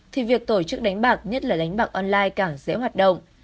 thì việc tổ chức đánh bạc nhất là đánh bạc online càng dễ hoạt động